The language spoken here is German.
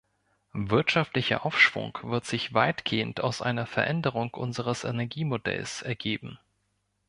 Wirtschaftlicher Aufschwung wird sich weitgehend aus einer Veränderung unseres Energiemodells ergeben.